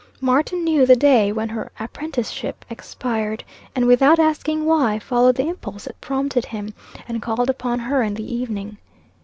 Martin knew the day when her apprenticeship expired, and without asking why, followed the impulse that prompted him, and called upon her in the evening.